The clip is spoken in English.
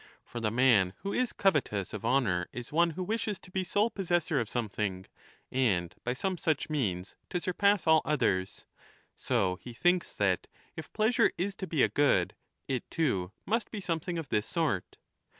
For the man who is covetous of honour is one who wishes to be sole possessor of some thing and by some such means to surpass all others ; so he thinks that, if pleasure is to be a good, it too must be something of this sort.